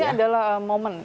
ini adalah momen